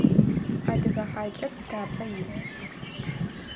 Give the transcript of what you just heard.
Адыгэ хьакӏэ пытапӏэ ис.